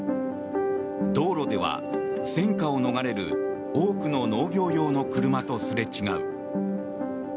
道路では戦火を逃れる多くの農業用の車とすれ違う。